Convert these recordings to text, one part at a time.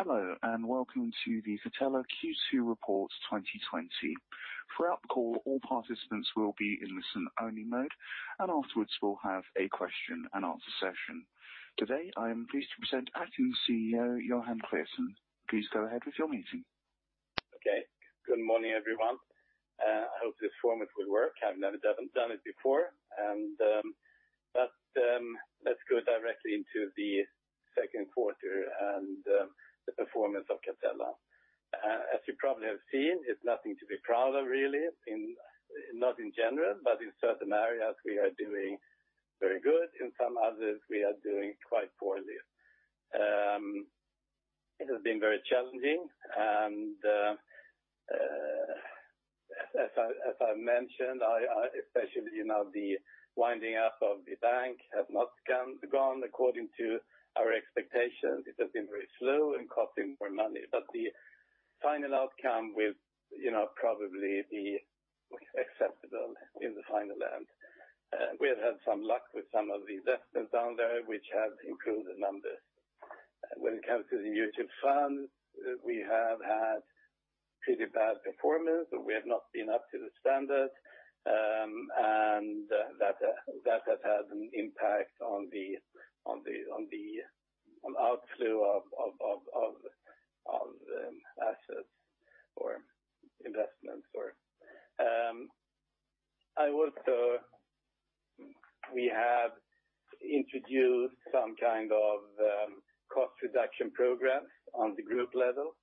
Hello, and welcome to the Catella Q2 Report 2020. Throughout the call, all participants will be in listen-only mode, and afterwards we'll have a question-and-answer session. Today, I am pleased to present Acting CEO Johan Claesson. Please go ahead with your meeting. Okay. Good morning, everyone. I hope this format will work. I've never done it before, but let's go directly into the second quarter and the performance of Catella. As you probably have seen, it's nothing to be proud of, really. Not in general, but in certain areas, we are doing very good. In some others, we are doing quite poorly. It has been very challenging, and as I mentioned, especially the winding up of the bank has not gone according to our expectations. It has been very slow and costing more money, but the final outcome will probably be acceptable in the final end. We have had some luck with some of the investments down there, which have improved the numbers. When it comes to the mutual funds, we have had pretty bad performance. We have not been up to the standards. And that has had an impact on the outflow of assets or investments. I also think we have introduced some kind of cost-reduction programs on the group level.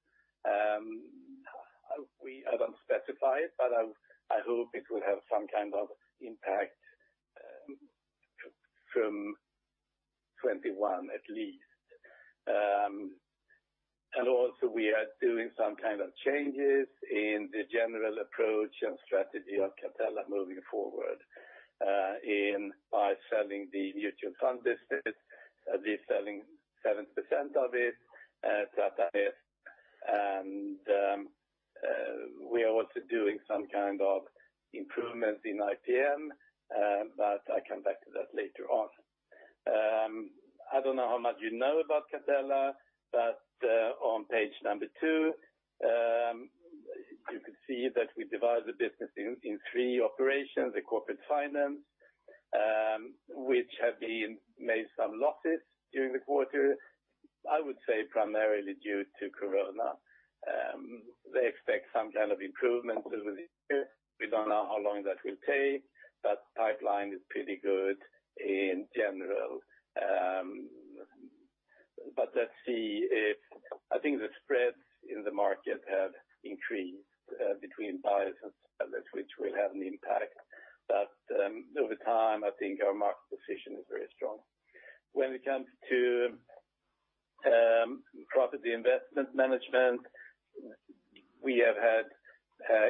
I don't specify it, but I hope it will have some kind of impact from 2021, at least. And also, we are doing some kind of changes in the general approach and strategy of Catella moving forward by selling the mutual fund business. We're selling 70% of it to Athanase Industrial Partners. And we are also doing some kind of improvements in IPM, but I'll come back to that later on. I don't know how much you know about Catella, but on page number two, you can see that we divide the business in three operations: the Corporate Finance, which have made some losses during the quarter. I would say primarily due to Corona. They expect some kind of improvement over the year. We don't know how long that will take, but the pipeline is pretty good in general. But let's see if I think the spreads in the market have increased between buyers and sellers, which will have an impact. But over time, I think our market position is very strong. When it comes to Property Investment Management, we have had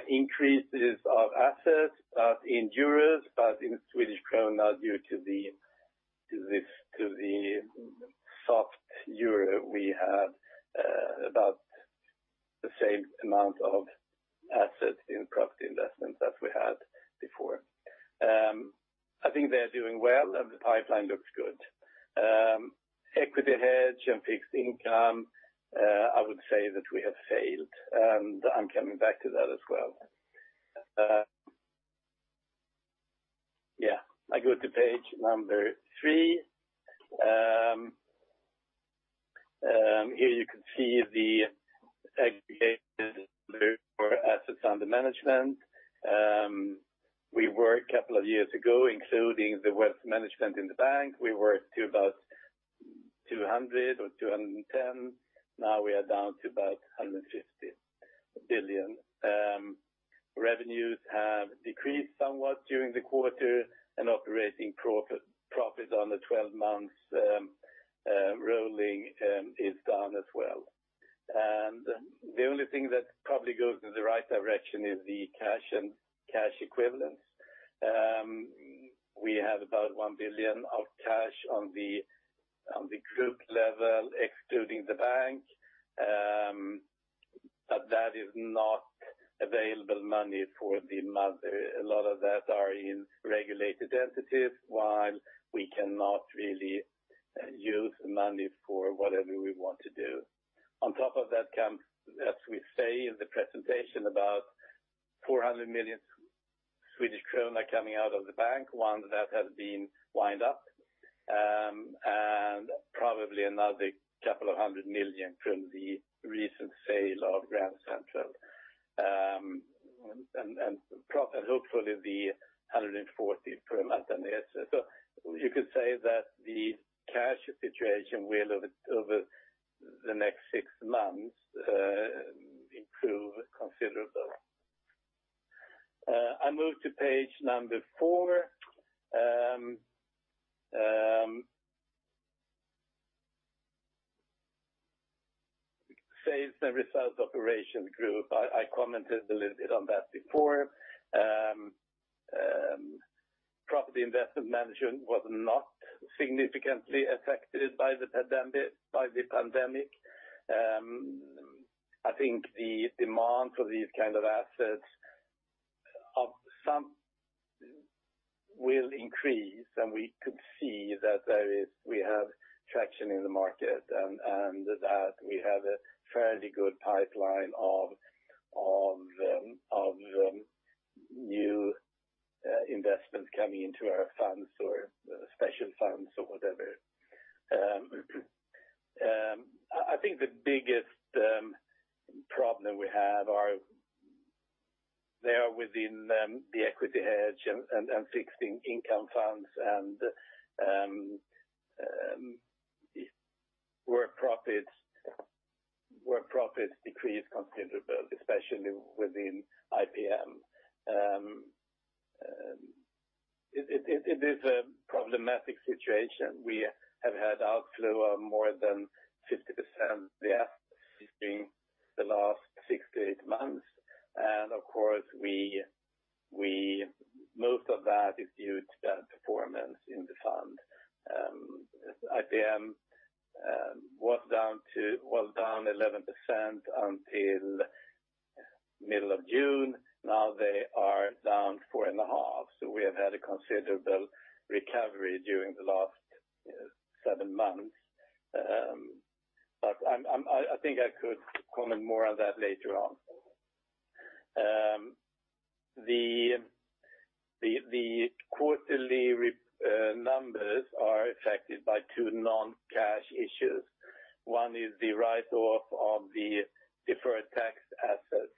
increases of assets in euros, but in Swedish krona due to the soft euro. We have about the same amount of assets in property investments as we had before. I think they are doing well, and the pipeline looks good. Equity Hedge and Fixed Income, I would say that we have failed. And I'm coming back to that as well. Yeah. I go to page number three. Here you can see the aggregated number for assets under management. We were a couple of years ago, including the wealth management in the bank. We were to about 200 billion or 210 billion. Now we are down to about 150 billion. Revenues have decreased somewhat during the quarter, and operating profits on the 12-month rolling is down as well, and the only thing that probably goes in the right direction is the cash equivalents. We have about 1 billion of cash on the group level, excluding the bank, but that is not available money for the mother. A lot of that are in regulated entities, where we cannot really use the money for whatever we want to do. On top of that comes, as we say in the presentation, about 400 million Swedish krona coming out of the bank, one that has been wound up, and probably another couple of hundred million from the recent sale of Grand Central. Hopefully, the 140 from Athanase. You could say that the cash situation will, over the next six months, improve considerably. I moved to page number four. Sales and results operations group. I commented a little bit on that before. Property Investment Management was not significantly affected by the pandemic. I think the demand for these kinds of assets will increase, and we could see that we have traction in the market and that we have a fairly good pipeline of new investments coming into our funds or special funds or whatever. I think the biggest problem we have there within the Equity Hedge and Fixed Income Funds and our profits decreased considerably, especially within IPM. It is a problematic situation. We have had outflow of more than 50%, yeah, between the last six to eight months. Of course, most of that is due to bad performance in the fund. IPM was down 11% until middle of June. Now they are down 4.5%. We have had a considerable recovery during the last seven months. I think I could comment more on that later on. The quarterly numbers are affected by two non-cash issues. One is the write-off of the deferred tax assets,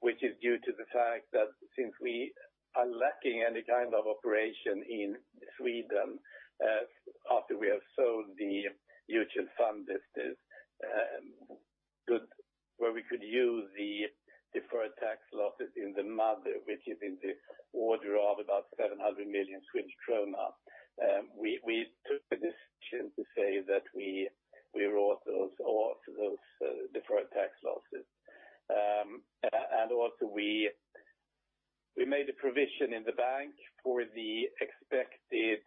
which is due to the fact that since we are lacking any kind of operation in Sweden after we have sold the mutual fund business, where we could use the deferred tax losses in the mother, which is in the order of about 700 million Swedish kronor. We took the decision to say that we wrote off those deferred tax losses. And also, we made a provision in the bank for the expected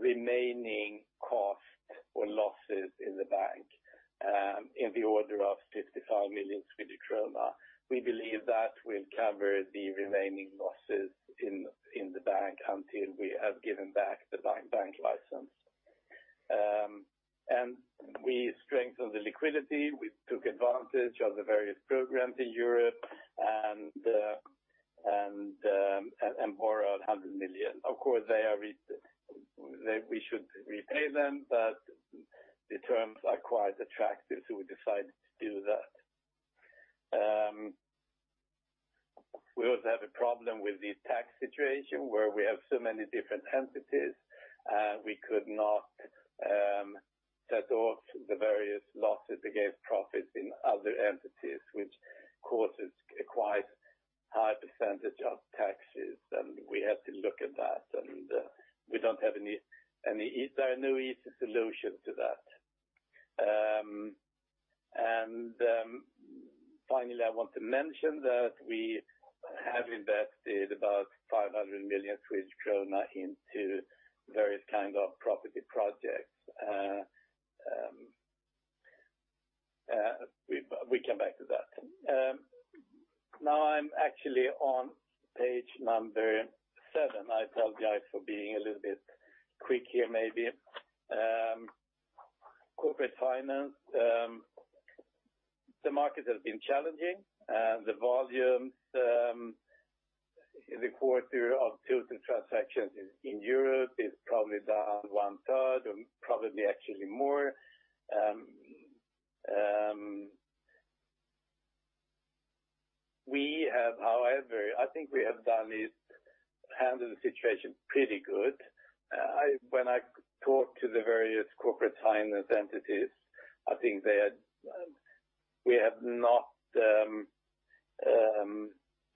remaining cost or losses in the bank in the order of 55 million Swedish krona. We believe that will cover the remaining losses in the bank until we have given back the bank license. And we strengthened the liquidity. We took advantage of the various programs in Europe and borrowed 100 million. Of course, we should repay them, but the terms are quite attractive, so we decided to do that. We also have a problem with the tax situation where we have so many different entities. We could not set off the various losses against profits in other entities, which causes quite a high percentage of taxes. And we have to look at that. And there are no easy solutions to that. Finally, I want to mention that we have invested about 500 million Swedish krona into various kinds of property projects. We come back to that. Now I'm actually on page number seven. I apologize for being a little bit quick here, maybe. Corporate Finance. The market has been challenging. The volumes in the quarter of total transactions in Europe is probably down one-third or probably actually more. We have, however, I think we have done it, handled the situation pretty good. When I talk to the various corporate finance entities, I think we have not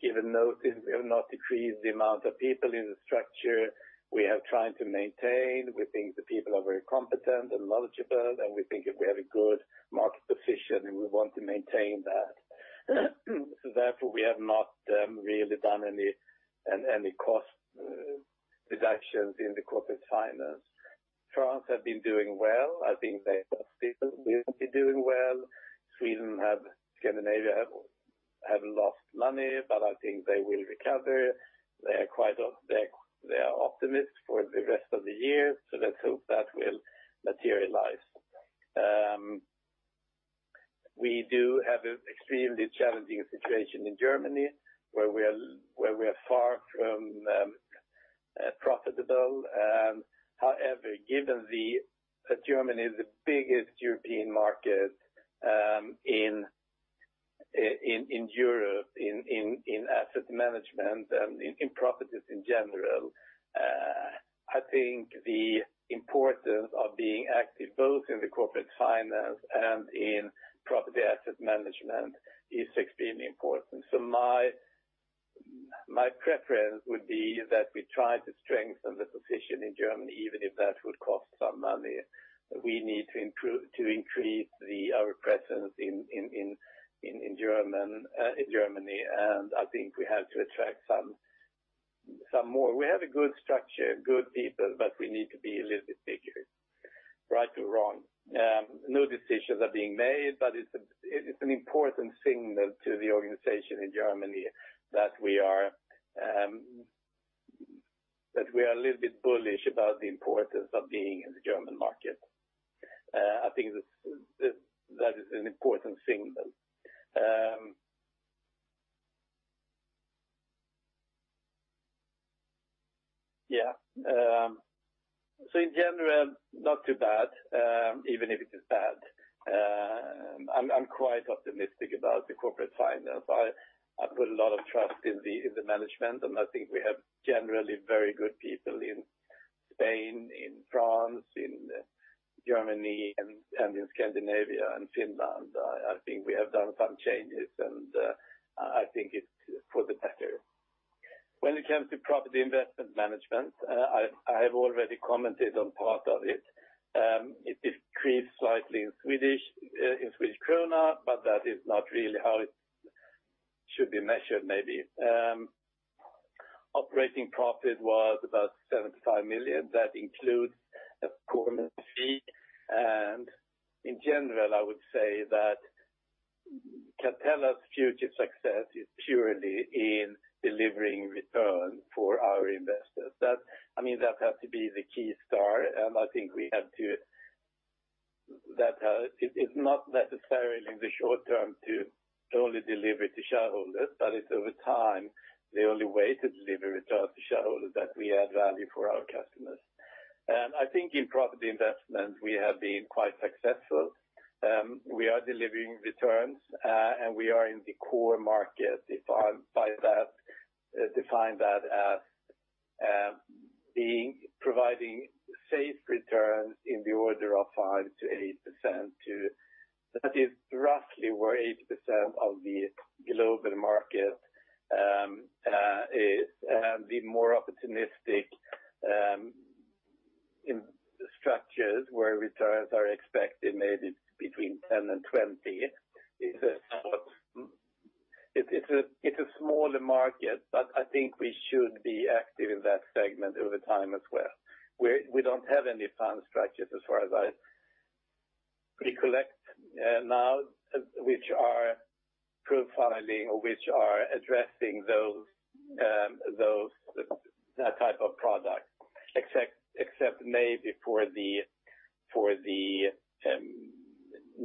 even noted we have not decreased the amount of people in the structure we have tried to maintain. We think the people are very competent and knowledgeable, and we think we have a good market position, and we want to maintain that. So therefore, we have not really done any cost reductions in the Corporate Finance. France have been doing well. I think they will be doing well. Sweden and Scandinavia have lost money, but I think they will recover. They are optimists for the rest of the year, so let's hope that will materialize. We do have an extremely challenging situation in Germany where we are far from profitable. However, given that Germany is the biggest European market in Europe in asset management and in profits in general, I think the importance of being active both in the corporate finance and in property asset management is extremely important. So my preference would be that we try to strengthen the position in Germany, even if that would cost some money. We need to increase our presence in Germany, and I think we have to attract some more. We have a good structure, good people, but we need to be a little bit bigger. Right or wrong. No decisions are being made, but it's an important signal to the organization in Germany that we are a little bit bullish about the importance of being in the German market. I think that is an important signal. Yeah. So in general, not too bad, even if it is bad. I'm quite optimistic about the Corporate Finance. I put a lot of trust in the management, and I think we have generally very good people in Spain, in France, in Germany, and in Scandinavia and Finland. I think we have done some changes, and I think it's for the better. When it comes to Property Investment Management, I have already commented on part of it. It decreased slightly in Swedish krona, but that is not really how it should be measured, maybe. Operating profit was about 75 million. That includes a performance fee. And in general, I would say that Catella's future success is purely in delivering return for our investors. I mean, that has to be the key star, and I think we have to that is not necessarily in the short term to only deliver to shareholders, but it's over time the only way to deliver returns to shareholders that we add value for our customers. And I think in property investment, we have been quite successful. We are delivering returns, and we are in the core market. If I define that as providing safe returns in the order of 5%-8%, that is roughly where 80% of the global market is. The more opportunistic structures where returns are expected maybe between 10 and 20. It's a smaller market, but I think we should be active in that segment over time as well. We don't have any fund structures as far as I recollect now, which are profiling or which are addressing that type of product, except maybe for the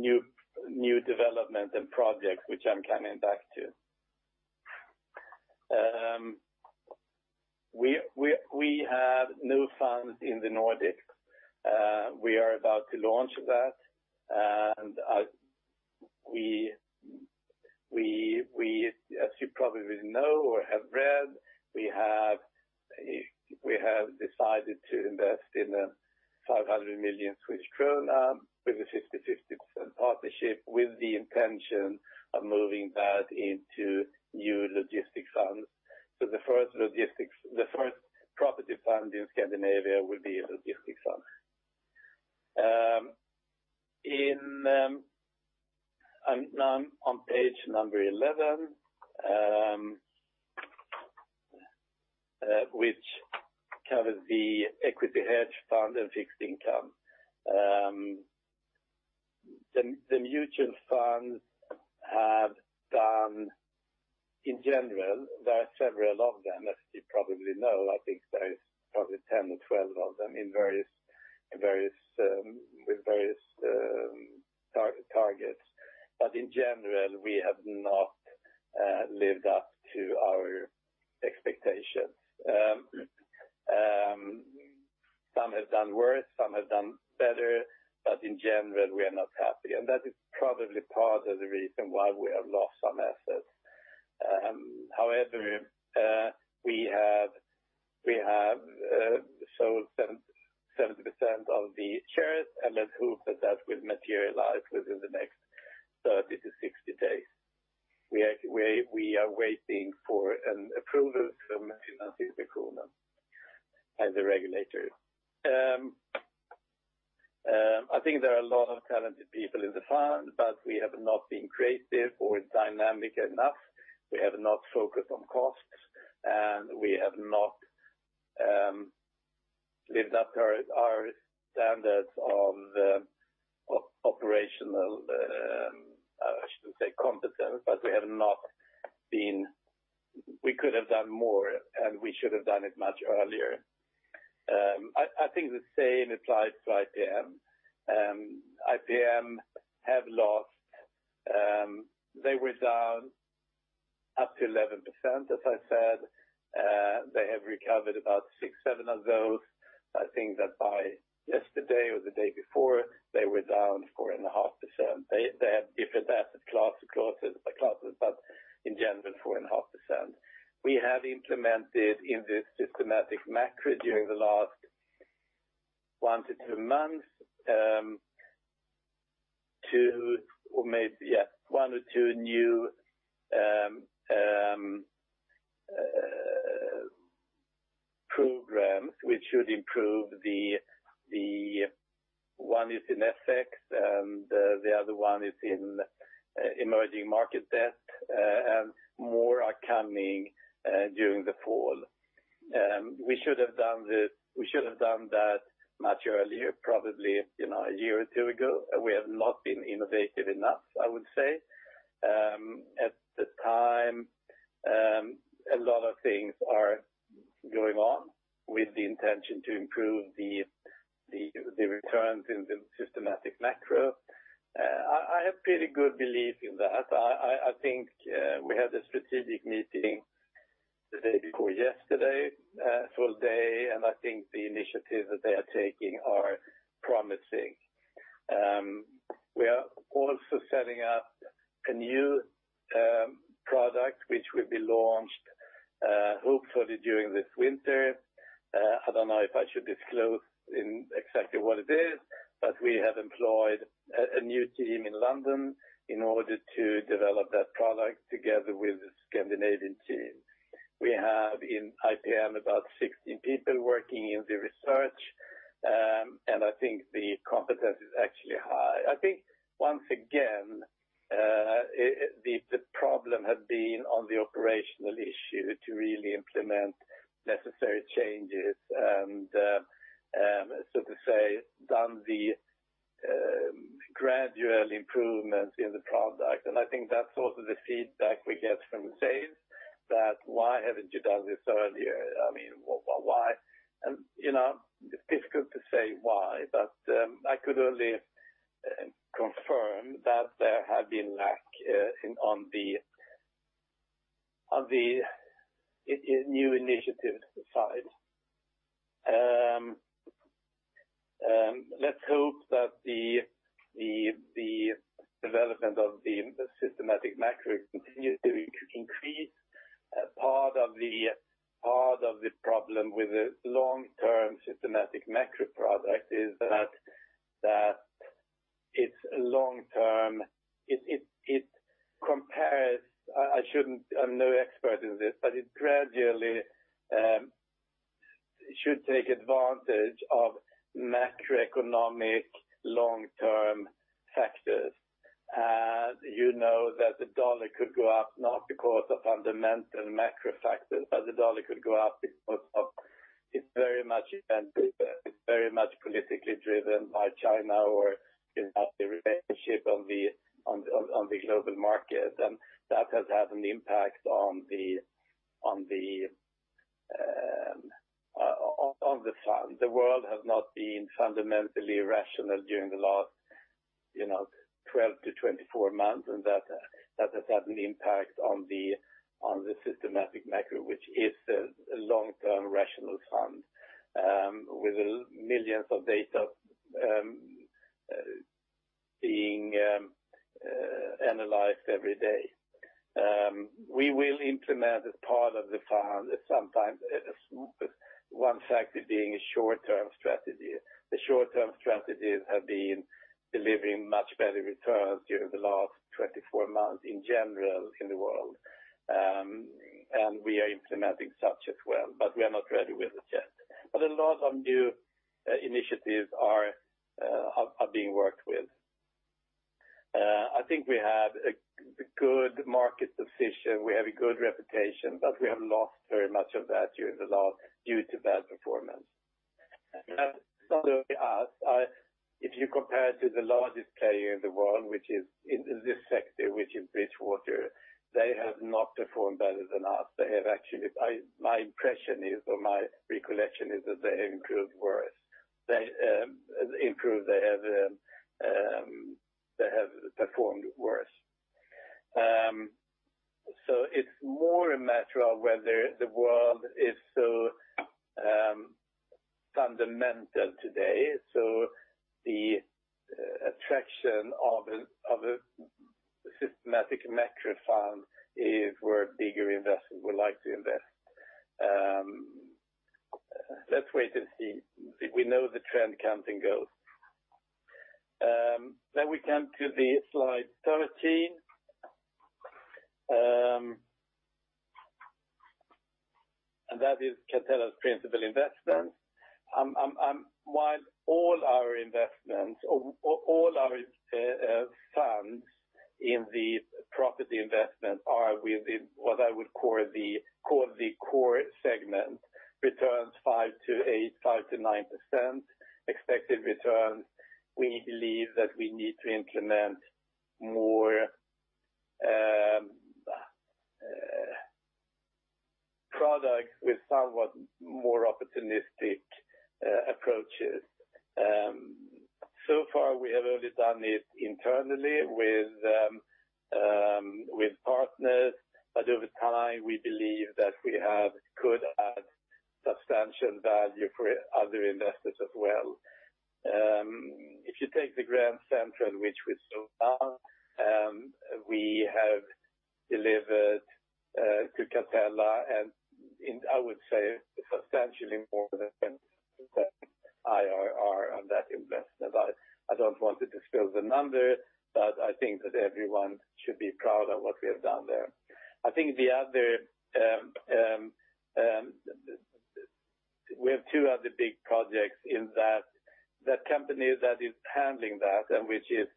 new development and projects which I'm coming back to. We have no funds in the Nordics. We are about to launch that. As you probably know or have read, we have decided to invest in 500 million krona with a 50-50 partnership with the intention of moving that into new logistics funds. So the first property fund in Scandinavia will be a logistics fund. On page number 11, which covers the Equity Hedge Fund and Fixed Income. The mutual funds have done, in general, there are several of them, as you probably know. I think there's probably 10 or 12 of them with various targets. But in general, we have not lived up to our expectations. Some have done worse. Some have done better. But in general, we are not happy. And that is probably part of the reason why we have lost some assets. However, we have sold 70% of the shares, and let's hope that that will materialize within the next 30-60 days. We are waiting for an approval from the Finansinspektionen as a regulator. I think there are a lot of talented people in the fund, but we have not been creative or dynamic enough. We have not focused on costs, and we have not lived up to our standards of operational. I shouldn't say competence, but we have not been. We could have done more, and we should have done it much earlier. I think the same applies to IPM. IPM have lost. They were down up to 11%, as I said. They have recovered about six, seven of those. I think that by yesterday or the day before, they were down 4.5%. They have different asset classes, but in general, 4.5%. We have implemented in this Systematic Macro during the last one to two months two or maybe, yeah, one or two new programs which should improve. The one is in FX, and the other one is in emerging market debt. More are coming during the fall. We should have done that much earlier, probably a year or two ago. We have not been innovative enough, I would say. At the time, a lot of things are going on with the intention to improve the returns in the Systematic Macro. I have pretty good belief in that. I think we had a strategic meeting the day before yesterday, full day, and I think the initiatives that they are taking are promising. We are also setting up a new product which will be launched hopefully during this winter. I don't know if I should disclose exactly what it is, but we have employed a new team in London in order to develop that product together with the Scandinavian team. We have in IPM about 16 people working in the research, and I think the competence is actually high. I think once again, the problem has been on the operational issue to really implement necessary changes and, so to speak, done the gradual improvements in the product. And I think that's also the feedback we get from the sales that, "Why haven't you done this earlier? I mean, why?" And it's difficult to say why, but I could only confirm that there has been lack on the new initiative side. Let's hope that the development of the Systematic Macro continues to increase. Part of the problem with the long-term Systematic Macro product is that it's long-term. It compares. I'm no expert in this, but it gradually should take advantage of macroeconomic long-term factors. You know that the dollar could go up not because of fundamental macro factors, but the dollar could go up because it's very much event-driven. It's very much politically driven by China or in that relationship on the global market. And that has had an impact on the fund. The world has not been fundamentally rational during the last 12-24 months, and that has had an impact on the Systematic Macro, which is a long-term rational fund with millions of data being analyzed every day. We will implement as part of the fund, sometimes one factor being a short-term strategy. The short-term strategies have been delivering much better returns during the last 24 months in general in the world, and we are implementing such as well. But we are not ready with it yet. But a lot of new initiatives are being worked with. I think we had a good market position. We have a good reputation, but we have lost very much of that during the last due to bad performance. And not only us. If you compare to the largest player in the world, which is in this sector, which is Bridgewater, they have not performed better than us. They have actually, my impression is, or my recollection is, that they have improved worse. They have performed worse. So it's more a matter of whether the world is so fundamental today. So the attraction of a Systematic Macro fund is where bigger investors would like to invest. Let's wait and see. We know the trend comes and goes. Then we come to slide 13, and that is Catella's Principal Investments. While all our investments or all our funds in the property investments are within what I would call the core segment, returns 5%-9%, expected returns, we believe that we need to implement more products with somewhat more opportunistic approaches. So far, we have only done it internally with partners, but over time, we believe that we could add substantial value for other investors as well. If you take the Grand Central, which we sold out, we have delivered to Catella, and I would say substantially more than IRR on that investment. I don't want to disclose the number, but I think that everyone should be proud of what we have done there. I think the other we have two other big projects in that company that is handling that and which is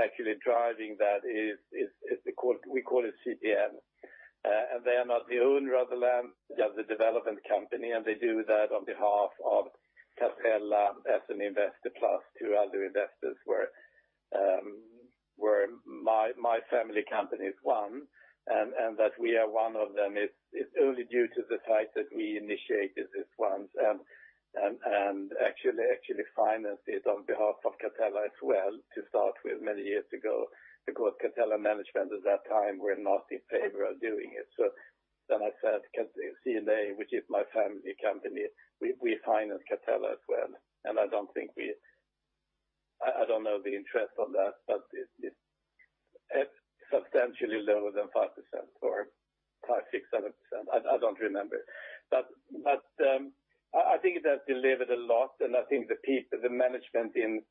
actually driving that is we call it CPM. And they are not the owner, other than they are the development company, and they do that on behalf of Catella as an investor plus to other investors where my family company is one. That we are one of them is only due to the fact that we initiated these funds and actually financed it on behalf of Catella as well to start with many years ago because Catella management at that time were not in favor of doing it. So then I said, "CA, which is my family company, we finance Catella as well." And I don't think we. I don't know the interest on that, but it's substantially lower than 5% or 5%-7%. I don't remember. But I think it has delivered a lot, and I think the management in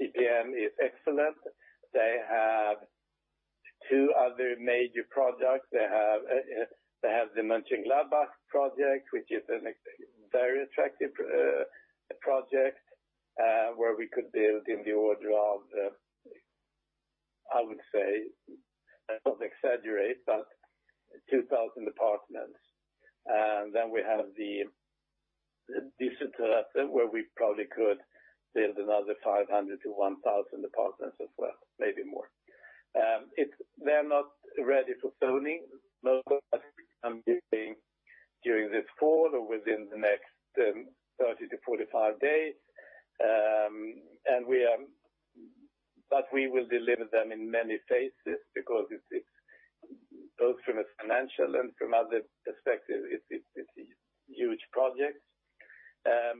CPM is excellent. They have two other major projects. They have the Mönchengladbach project, which is a very attractive project where we could build in the order of, I would say, I don't exaggerate, but 2,000 apartments. Then we have the Düssel-Terrassen, where we probably could build another 500-1,000 apartments as well, maybe more. They're not ready for zoning, but we are doing during this fall or within the next 30-45 days. But we will deliver them in many phases because it's both from a financial and from other perspectives, it's a huge project. My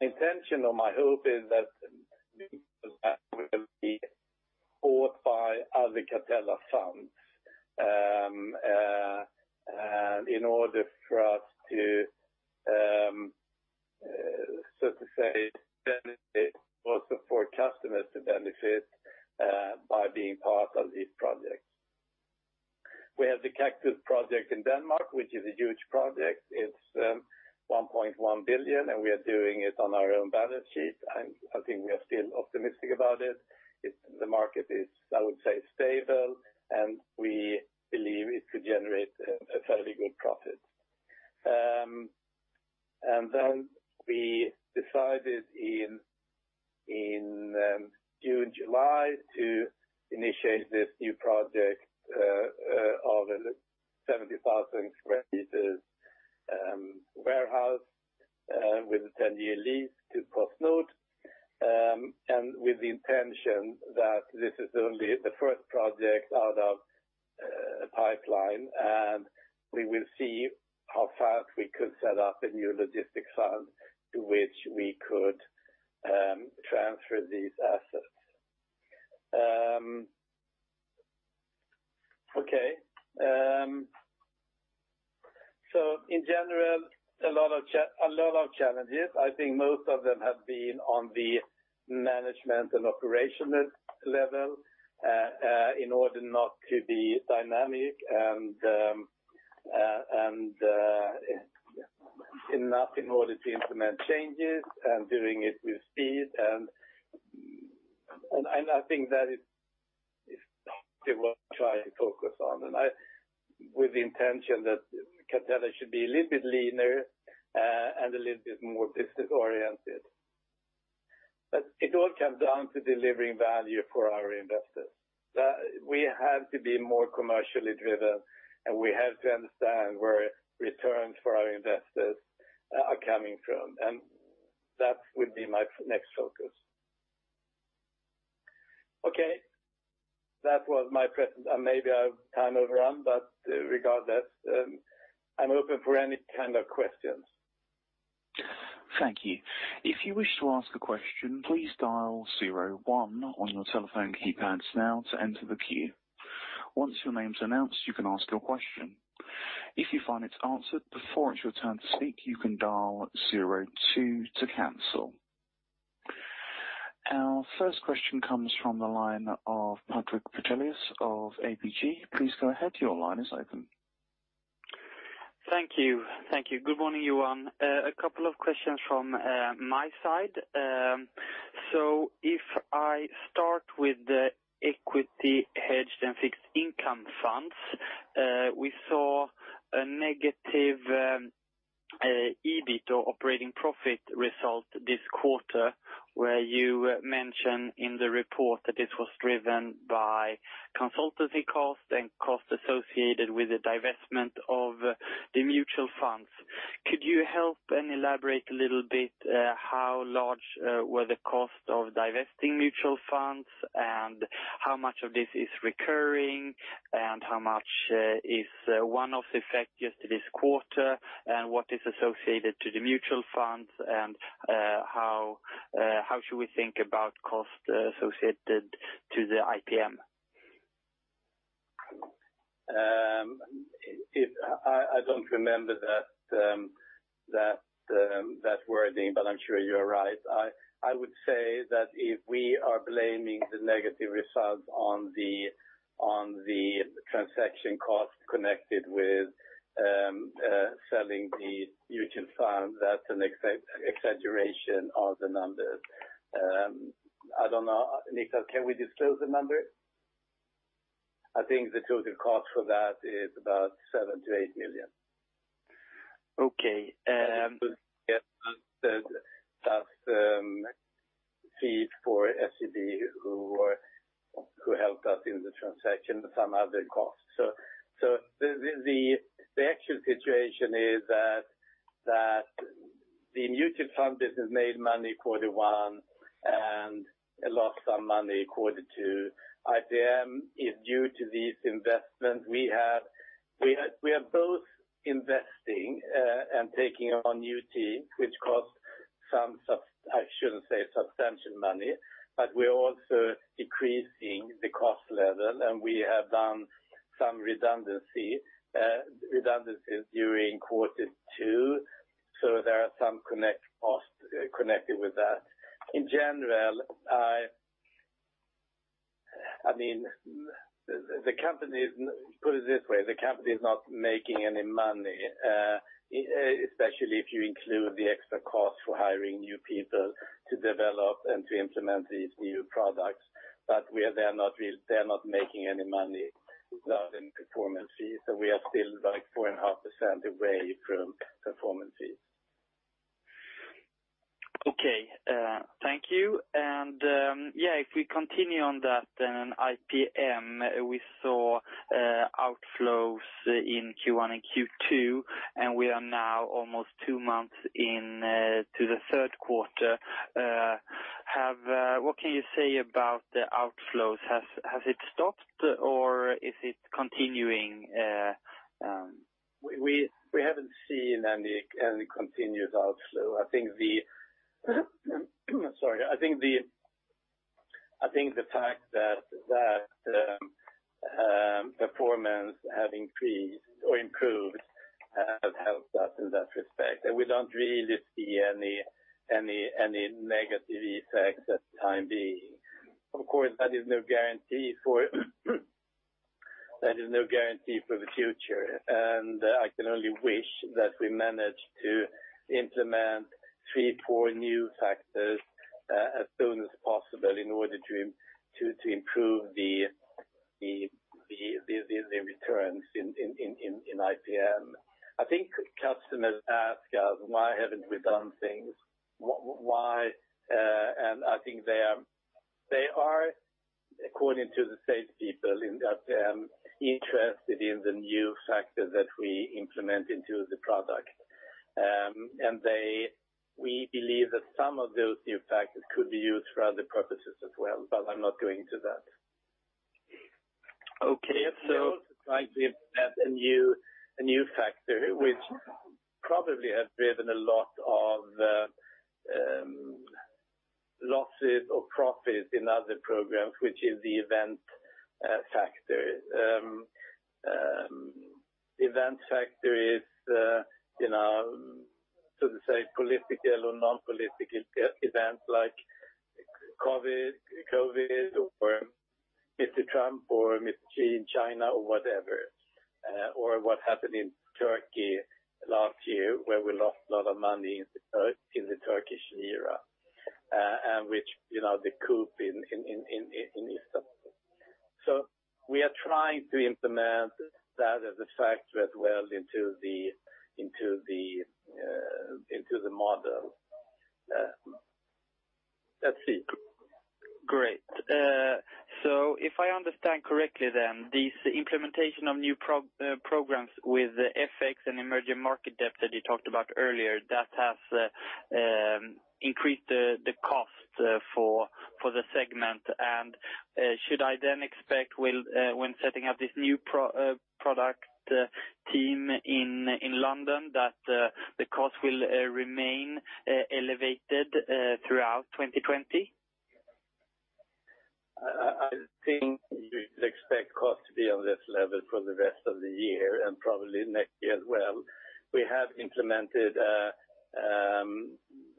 intention or my hope is that that will be bought by other Catella funds in order for us to, so to say, benefit also for customers to benefit by being part of these projects. We have the Kaktus project in Denmark, which is a huge project. It's 1.1 billion, and we are doing it on our own balance sheet. I think we are still optimistic about it. The market is, I would say, stable, and we believe it could generate a fairly good profit. And then we decided in June or July to initiate this new project of a 70,000 sq m warehouse with a 10-year lease to PostNord, and with the intention that this is only the first project out of a pipeline. And we will see how fast we could set up a new logistics fund to which we could transfer these assets. Okay. So in general, a lot of challenges. I think most of them have been on the management and operational level in order not to be dynamic and enough in order to implement changes and doing it with speed. And I think that is what we're trying to focus on, with the intention that Catella should be a little bit leaner and a little bit more business-oriented. But it all comes down to delivering value for our investors. We have to be more commercially driven, and we have to understand where returns for our investors are coming from. And that would be my next focus. Okay. That was my presentation. And maybe I've overrun time, but regardless, I'm open for any kind of questions. Thank you. If you wish to ask a question, please dial zero one on your telephone keypad now to enter the queue. Once your name's announced, you can ask your question. If you find it's answered before it's your turn to speak, you can dial zero two to cancel. Our first question comes from the line of Patrik Brattelius of ABG. Please go ahead. Your line is open. Thank you. Thank you. Good morning, Johan. A couple of questions from my side. So if I start with the Equity Hedge and Fixed Income Funds, we saw a negative EBIT or operating profit result this quarter where you mentioned in the report that this was driven by consultancy costs and costs associated with the divestment of the mutual funds. Could you help and elaborate a little bit how large were the costs of divesting mutual funds and how much of this is recurring and how much is one-off effect just this quarter and what is associated to the mutual funds? And how should we think about costs associated to the IPM? I don't remember that wording, but I'm sure you're right. I would say that if we are blaming the negative results on the transaction costs connected with selling the mutual fund, that's an exaggeration of the numbers. I don't know. Niklas, can we disclose the number? I think the total cost for that is about 7 million to 8 million. Okay. That's fees for SEB who helped us in the transaction and some other costs. So the actual situation is that the mutual fund business made money quarter one and lost some money quarter two. IPM is due to these investments. We are both investing and taking on new teams, which costs some. I shouldn't say substantial money. But we're also decreasing the cost level, and we have done some redundancies during quarter two. So there are some connected with that. In general, I mean, the company is. Put it this way. The company is not making any money, especially if you include the extra costs for hiring new people to develop and to implement these new products. But they're not making any money, not in performance fees. So we are still like 4.5% away from performance fees. Okay. Thank you. And yeah, if we continue on that, then in IPM, we saw outflows in Q1 and Q2, and we are now almost two months into the third quarter. What can you say about the outflows? Has it stopped, or is it continuing? We haven't seen any continued outflow. I think the fact that performance has increased or improved has helped us in that respect. And we don't really see any negative effects at the time being. Of course, that is no guarantee for the future. And I can only wish that we manage to implement three, four new factors as soon as possible in order to improve the returns in IPM. I think customers ask us, "Why haven't we done things? Why?" And I think they are, according to the salespeople in IPM, interested in the new factors that we implement into the product. And we believe that some of those new factors could be used for other purposes as well, but I'm not going into that. Okay. So. We're also trying to implement a new factor, which probably has driven a lot of losses or profits in other programs, which is the event factor. Event factor is, so to say, political or non-political events like COVID or Mr. Trump or Mr. Xi in China or whatever, or what happened in Turkey last year where we lost a lot of money in the Turkish lira and the coup in Istanbul. So we are trying to implement that as a factor as well into the model. That's it. Great. So if I understand correctly, then this implementation of new programs with FX and emerging market debt that you talked about earlier, that has increased the cost for the segment. And should I then expect, when setting up this new product team in London, that the cost will remain elevated throughout 2020? I think you'd expect costs to be on this level for the rest of the year and probably next year as well. We have implemented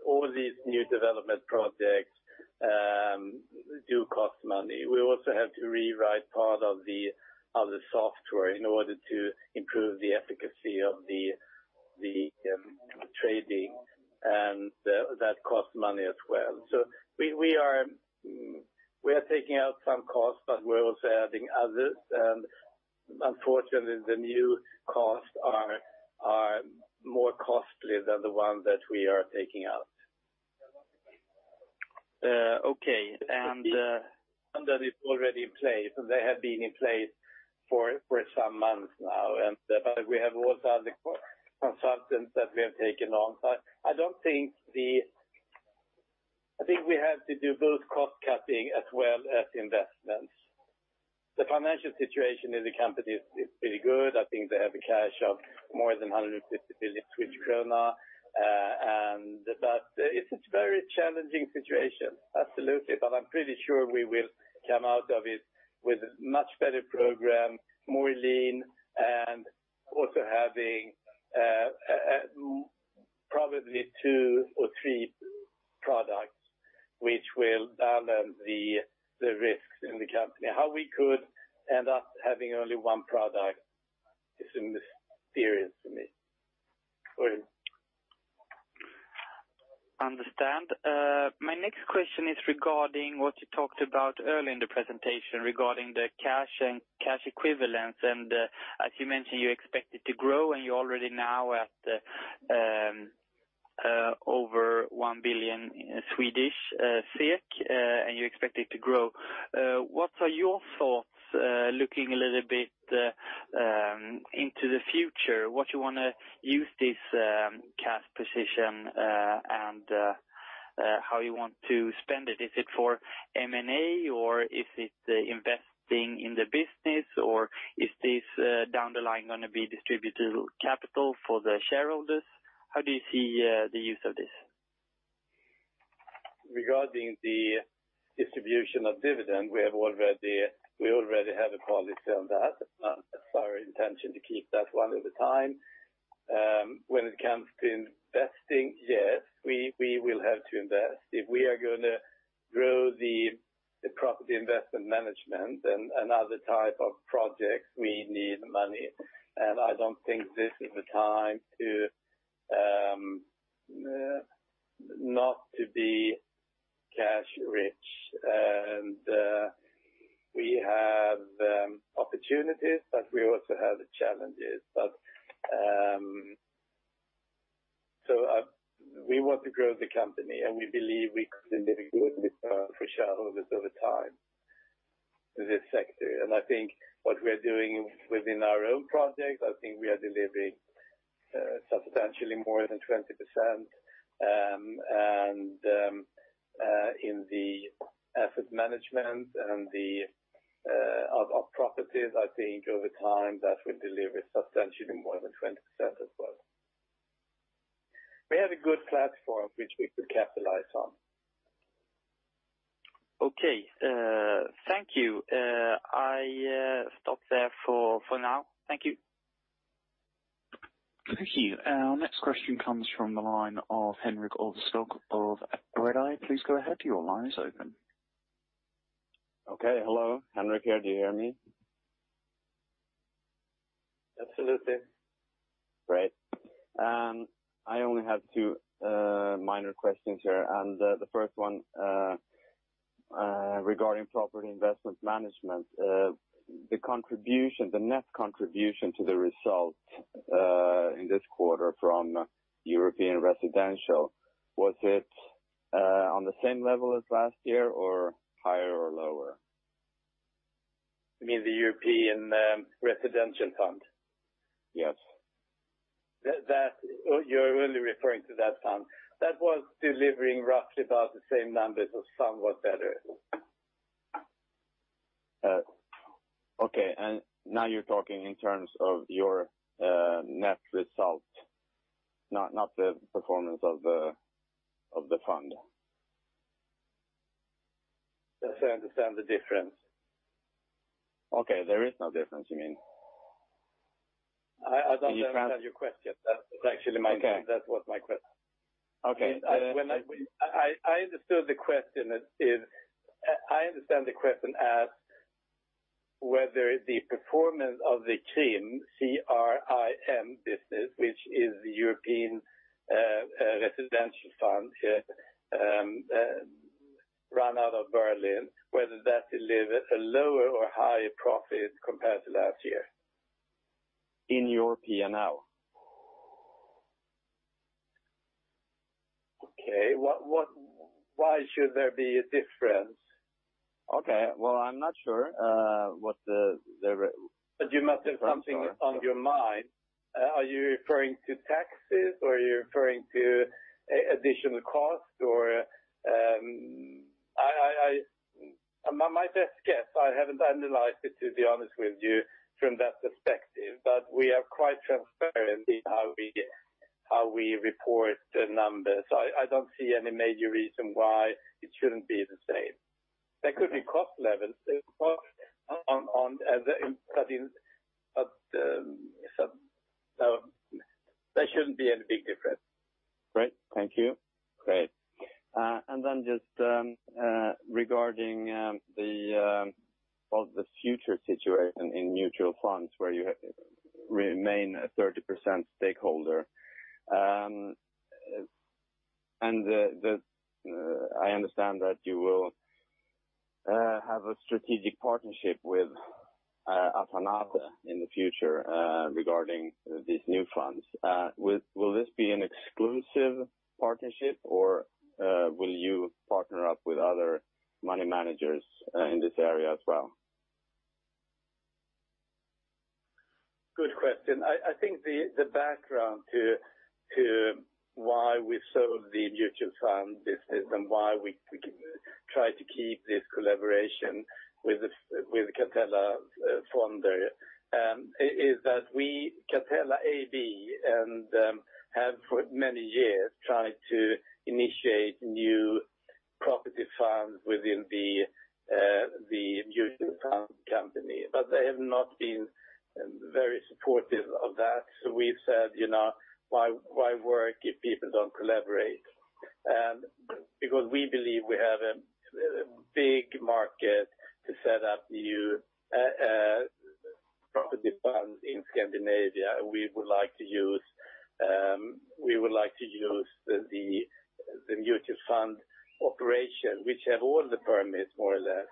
all these new development projects. They do cost money. We also have to rewrite part of the software in order to improve the efficacy of the trading, and that costs money as well. So we are taking out some costs, but we're also adding others, and unfortunately, the new costs are more costly than the ones that we are taking out. Okay. And. And that is already in place, and they have been in place for some months now. But we have also other consultants that we have taken on. So I don't think—I think we have to do both cost-cutting as well as investments. The financial situation in the company is pretty good. I think they have a cash of more than 150 million krona. But it's a very challenging situation. Absolutely. But I'm pretty sure we will come out of it with a much better program, more lean, and also having probably two or three products which will balance the risks in the company. How we could end up having only one product is a mystery to me. Understand. My next question is regarding what you talked about earlier in the presentation regarding the cash and cash equivalents, and as you mentioned, you expect it to grow, and you're already now at over 1 billion, and you expect it to grow. What are your thoughts looking a little bit into the future? What do you want to use this cash position and how you want to spend it? Is it for M&A, or is it investing in the business, or is this down the line going to be distributed capital for the shareholders? How do you see the use of this? Regarding the distribution of dividends, we already have a policy on that. That's our intention to keep that one over time. When it comes to investing, yes, we will have to invest. If we are going to grow the Property Investment Management and other type of projects, we need money, and I don't think this is the time not to be cash-rich, and we have opportunities, but we also have challenges, so we want to grow the company, and we believe we could deliver good returns for shareholders over time in this sector, and I think what we are doing within our own projects, I think we are delivering substantially more than 20%, and in the asset management and of properties, I think over time that will deliver substantially more than 20% as well. We have a good platform which we could capitalize on. Okay. Thank you. I'll stop there for now. Thank you. Thank you. Our next question comes from the line of Jesper von Koch of Redeye. Please go ahead. Your line is open. Okay. Hello. Henrik here. Do you hear me? Absolutely. Great. I only have two minor questions here. And the first one regarding Property Investment Management. The net contribution to the result in this quarter from European Residential, was it on the same level as last year or higher or lower? You mean the European Residential fund? Yes. You're only referring to that fund. That was delivering roughly about the same numbers or somewhat better. Okay. And now you're talking in terms of your net result, not the performance of the fund? Yes, I understand the difference. Okay. There is no difference, you mean? I don't understand your question. That's actually my question. That was my question. Okay. I understood the question as whether the performance of the CRIM business, which is the European Residential fund run out of Berlin, delivered a lower or higher profit compared to last year. In Europe, how? Okay. Why should there be a difference? Okay, well, I'm not sure what the. But you must have something on your mind. Are you referring to taxes, or are you referring to additional costs? My best guess—I haven't analyzed it, to be honest with you, from that perspective—but we are quite transparent in how we report the numbers. I don't see any major reason why it shouldn't be the same. That could be cost level. That shouldn't be any big difference. Great. Thank you. Great. And then just regarding the future situation in mutual funds where you remain a 30% stakeholder. And I understand that you will have a strategic partnership with Athanase in the future regarding these new funds. Will this be an exclusive partnership, or will you partner up with other money managers in this area as well? Good question. I think the background to why we sold the mutual fund business and why we tried to keep this collaboration with Catella Fondförvaltning is that Catella AB has for many years tried to initiate new property funds within the mutual fund company, but they have not been very supportive of that. So we said, "Why work if people don't collaborate?" Because we believe we have a big market to set up new property funds in Scandinavia. We would like to use the mutual fund operation, which has all the permits, more or less,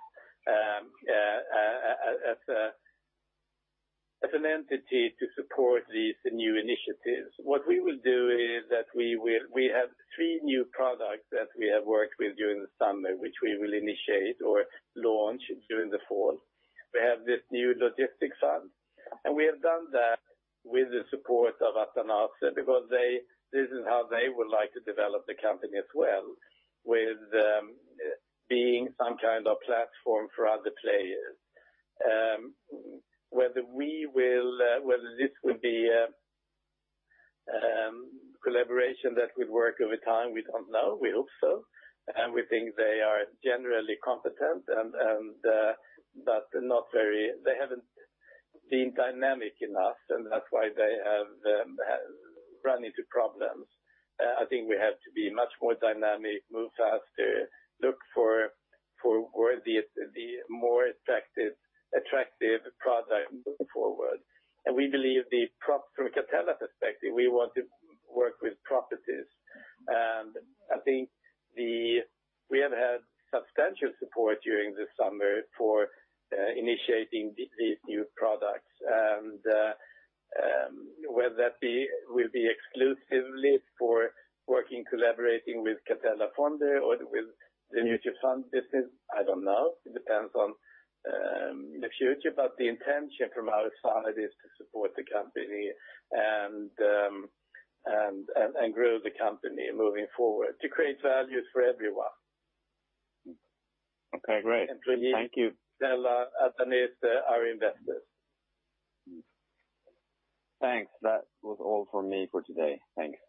as an entity to support these new initiatives. What we will do is that we have three new products that we have worked with during the summer, which we will initiate or launch during the fall. We have this new logistics fund. And we have done that with the support of Athanase because this is how they would like to develop the company as well, with being some kind of platform for other players. Whether this will be a collaboration that would work over time, we don't know. We hope so. And we think they are generally competent, but they haven't been dynamic enough, and that's why they have run into problems. I think we have to be much more dynamic, move faster, look for the more attractive product moving forward. And we believe from Catella's perspective, we want to work with properties. And I think we have had substantial support during the summer for initiating these new products. And whether that will be exclusively for working collaborating with Catella Fondförvaltning or with the mutual fund business, I don't know. It depends on the future. but the intention from our side is to support the company and grow the company moving forward to create value for everyone. Okay. Great. Thank you. Catella, Athanase, our investors. Thanks. That was all from me for today. Thanks.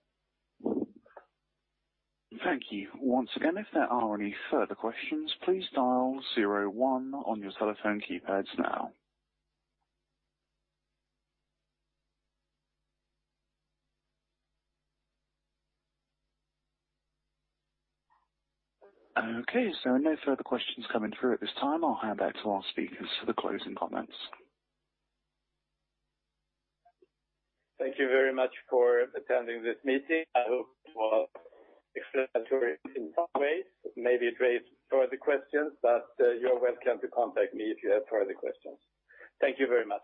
Thank you. Once again, if there are any further questions, please dial zero one on your telephone keypads now. Okay. So no further questions coming through at this time. I'll hand back to our speakers for the closing comments. Thank you very much for attending this meeting. I hope it was explanatory in some ways. Maybe it raised further questions, but you're welcome to contact me if you have further questions. Thank you very much.